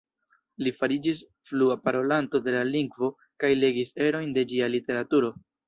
Li fariĝis flua parolanto de la lingvo kaj legis erojn de ĝia literaturo.